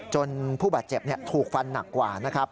ผู้บาดเจ็บถูกฟันหนักกว่านะครับ